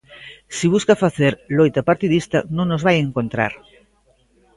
Se busca facer loita partidista non nos vai encontrar.